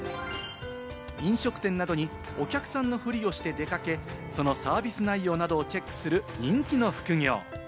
飲食店などにお客さんのふりをして出かけ、そのサービス内容などをチェックする人気の副業。